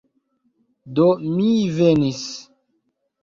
Do, mi venis...